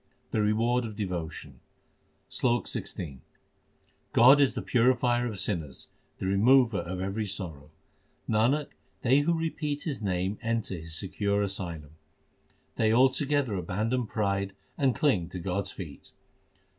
The reward of devotion : SLOK XVI God is the Purifier of sinners, the Remover of every sorrow. Nanak, they who repeat His name enter His secure asylum. They altogether abandon pride and cling to God s feet.